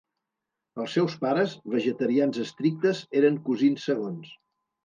Els seus pares, vegetarians estrictes, eren cosins segons.